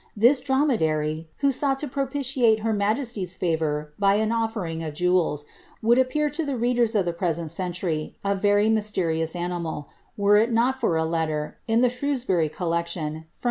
Tins drr.ine.lary, who sou lit I. liate her majesty's favour by an olTuring of jewels, would appeal readers of the present century a very mysterious animal, were it a letter, in the Shrewsbury collection, from